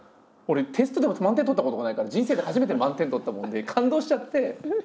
俺テストでも満点取ったことがないから人生で初めての満点取ったもんで感動しちゃって。